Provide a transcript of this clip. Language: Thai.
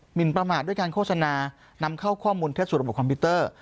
นประมาทด้วยการโฆษณานำเข้าข้อมูลเท็จสู่ระบบคอมพิวเตอร์